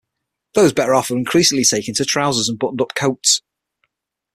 Those better off are increasingly taking to trousers and buttoned up coats.